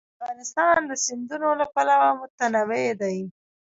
افغانستان د سیندونه له پلوه متنوع دی.